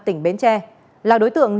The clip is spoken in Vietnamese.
tỉnh bến tre là đối tượng